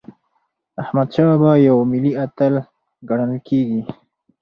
احمدشاه بابا یو ملي اتل ګڼل کېږي.